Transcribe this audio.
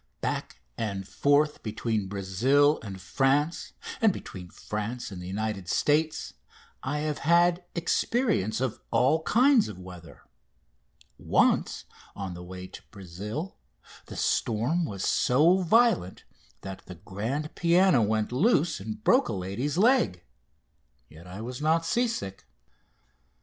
Back and forth between Brazil and France and between France and the United States I have had experience of all kinds of weather. Once, on the way to Brazil, the storm was so violent that the grand piano went loose and broke a lady's leg, yet I was not sea sick.